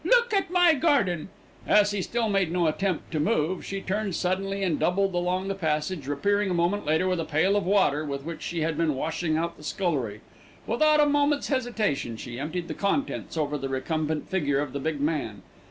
Look at my garden." As he still made no attempt to move, she turned suddenly and doubled along the passage, reappearing a moment later with a pail of water with which she had been washing out the scullery. Without a moment's hesitation she emptied the contents over the recumbent figure of the big man.